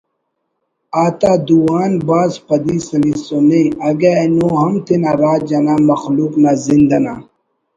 آتا دو آن بھاز پدی سلیسنے اگہ اینو ہم تینا راج انا مخلوق نازند انا